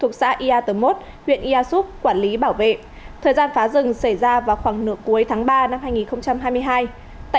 huyện ia xúc quản lý bảo vệ thời gian phá rừng xảy ra vào khoảng nửa cuối tháng ba năm hai nghìn hai mươi hai tại